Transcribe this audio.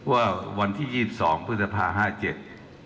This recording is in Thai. ว่าวันที่๒๒พฤษภาค๕๗